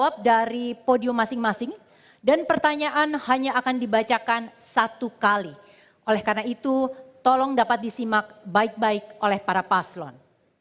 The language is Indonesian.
baik baik oleh para paslon